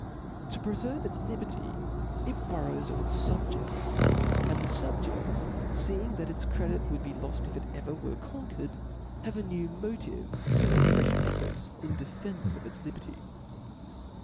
To preferve iis liberty, it borrows of its fob yi£tsi and the fubjeAs feeing that its credit would be loft, if ever it were conquered, have a rfew iho tive to make frelh efibrts in defence of its liberty.